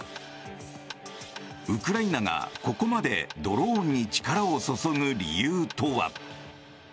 ウクライナがここまでドローンに力を注ぐ理由とは。